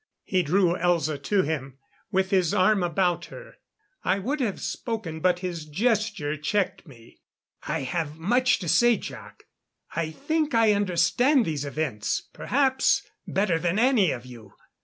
He drew Elza to him, with his arm about her. I would have spoken, but his gesture checked me. "I have much to say, Jac. I think I understand these events, perhaps better than any of you.